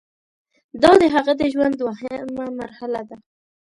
دا د هغه د ژوند دوهمه مرحله ده.